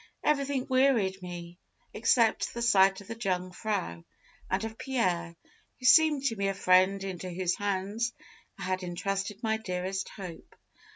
Everything wearied me, except the sight of the Jungfrau and of Pierre, who seemed to me a friend into whose hands I had entrusted my dearest hope.